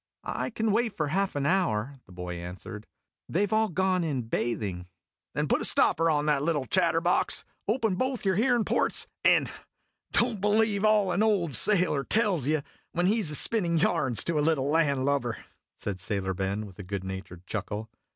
I can wait for half an hour," the boy answered. "They Ve all gone in bathing." "Then put a stopper on that little chatterbox, open both your hearin' ports, and don't believe all an old sailor tells you when he 's spinnin' yarns to a little landlubber," said Sailor Ben, with a good naturecl chuckle.